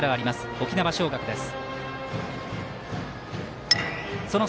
沖縄尚学です。